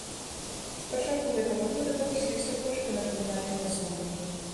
З пачатку гэтага года павысіліся кошты на камунальныя паслугі.